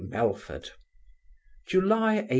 MELFORD July 18.